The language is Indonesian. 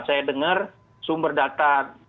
saya dengar sumber data